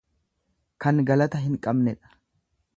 Kan galata hin qabnedha.